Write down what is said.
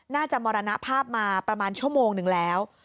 มรณภาพมาประมาณชั่วโมงหนึ่งแล้ว